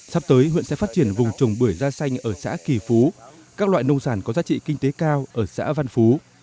sắp tới huyện sẽ phát triển vùng trồng bưởi da xanh ở xã kỳ phú các loại nông sản có giá trị kinh tế cao ở xã văn phú